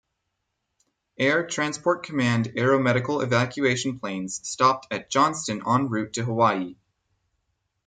Air Transport Command aeromedical evacuation planes stopped at Johnston en route to Hawaii.